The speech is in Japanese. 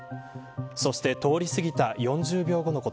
そして、通り過ぎた４０秒後のこ